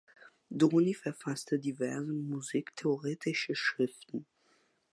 Doni verfasste diverse musiktheoretische Schriften.